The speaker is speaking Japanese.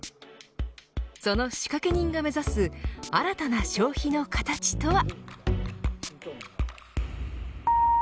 その仕掛け人が目指す新たな消費の形とは。